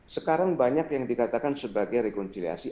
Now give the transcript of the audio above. sekarang banyak yang dikatakan sebagai rekonsiliasi